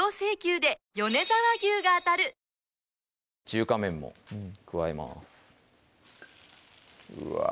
中華麺も加えますうわ